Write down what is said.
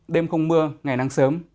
đêm không mưa ngày nắng sớm